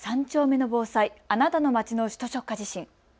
３丁目の防災あなたの町の首都直下地震。